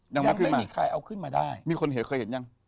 ดังนั้นไม่มีใครเอาขึ้นมาได้มีคนเห็นเคยเห็นยัง